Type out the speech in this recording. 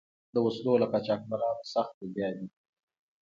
د وسلو له قاچبرانو سخت لګیا دي.